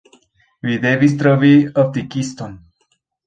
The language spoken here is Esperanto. Mi devis trovi optikiston.